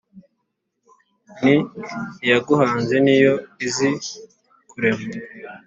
nti : iyaguhanze ni yo izi kurema